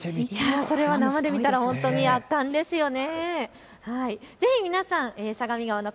これは生で見たら圧巻ですよね。